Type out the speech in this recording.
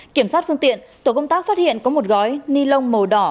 kiểm soát phương tiện tổ công tác phát hiện có một gói ni lông màu đỏ